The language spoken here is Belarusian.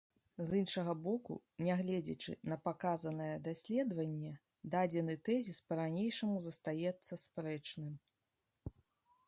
З іншага боку, нягледзячы на паказанае даследаванне, дадзены тэзіс па-ранейшаму застаецца спрэчным.